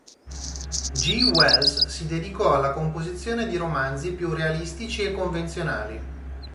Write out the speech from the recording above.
G. Wells si dedicò alla composizione di romanzi più realistici e convenzionali.